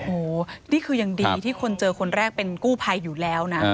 โอ้โหนี่คือยังดีที่คนเจอคนแรกเป็นกู้ภัยอยู่แล้วนะ